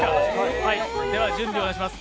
準備をお願いします。